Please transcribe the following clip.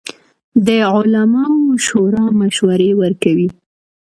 د علماوو شورا مشورې ورکوي